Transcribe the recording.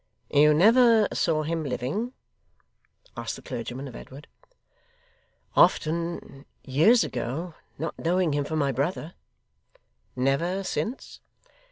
'You never saw him, living?' asked the clergyman, of Edward. 'Often, years ago; not knowing him for my brother.' 'Never since?